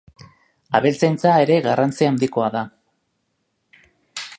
Abeltzaintza ere garrantzi handikoa da.